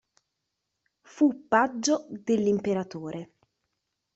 Fu paggio dell'imperatore.